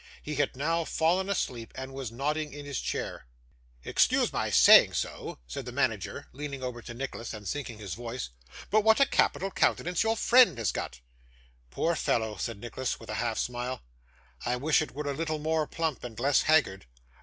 He had now fallen asleep, and was nodding in his chair. 'Excuse my saying so,' said the manager, leaning over to Nicholas, and sinking his voice, 'but what a capital countenance your friend has got!' 'Poor fellow!' said Nicholas, with a half smile, 'I wish it were a little more plump, and less haggard.